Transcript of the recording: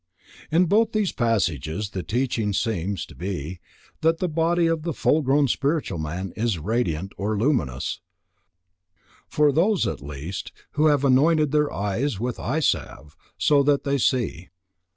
In both these passages, the teaching seems to be, that the body of the full grown spiritual man is radiant or luminous, for those at least, who have anointed their eyes wit! eye salve, so that they see.